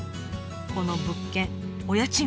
この物件お家賃は？